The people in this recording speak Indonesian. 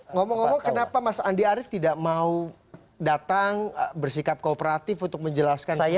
ngomong ngomong kenapa mas andi arief tidak mau datang bersikap kooperatif untuk menjelaskan ini